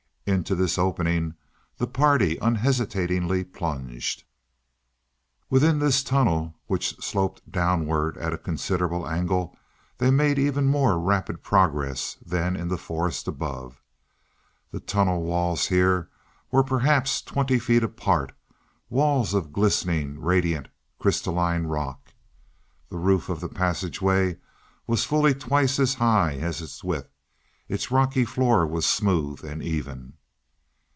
Into this opening the party unhesitatingly plunged. Within this tunnel, which sloped downward at a considerable angle, they made even more rapid progress than in the forest above. The tunnel walls here were perhaps twenty feet apart walls of a glistening, radiant, crystalline rock. The roof of the passageway was fully twice as high as its width; its rocky floor was smooth and even.